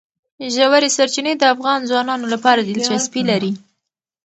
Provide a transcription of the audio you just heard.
ژورې سرچینې د افغان ځوانانو لپاره دلچسپي لري.